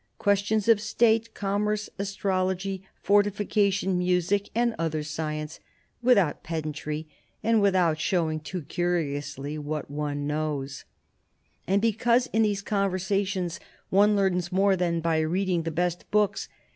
Questions of State, commerce, astrology, fortification, music and other science ... without pedantry, and without showing too curiously what one knows. "And because in these conversations one learns more than by reading the best books